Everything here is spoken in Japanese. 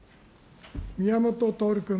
宮本徹君。